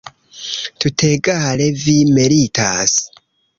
Tutegale vi meritas.